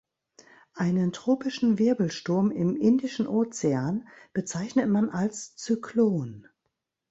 Einen tropischen Wirbelsturm im Indischen Ozean bezeichnet man als Zyklon.